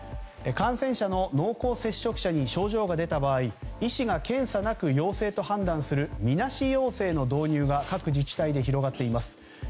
感染者の濃厚接触者に症状が出た場合医師が検査なく陽性と判断するみなし陽性の導入が各自治体で広がっています。